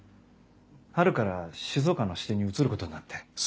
春から静岡の支店に移ることになって。